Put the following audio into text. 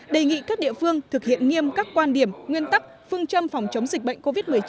đề nghị các địa phương thực hiện nghiêm các quan điểm nguyên tắc phương châm phòng chống dịch bệnh covid một mươi chín